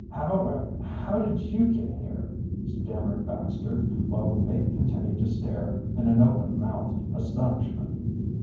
"How er how did you get here?" stammered Baxter, while the mate continued to stare, in open mouthed astonishment.